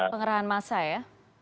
pengerahan massa ya